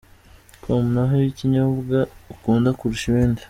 com: Naho ikinyobwa ukunda kurusha ibindi?.